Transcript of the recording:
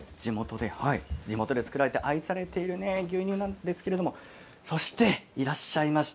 地元で作られて愛されている牛乳なんですけどそして、いらっしゃいました。